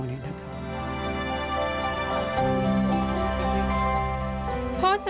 พ่อสงวนสหวานราชกาลที่๙